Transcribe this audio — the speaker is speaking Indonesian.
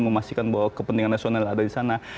memastikan bahwa kepentingan nasional ada di sana